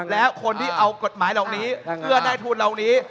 แล้วคนที่เอากฎหมายเหล่านี้เพื่อได้ทุนเหล่านี้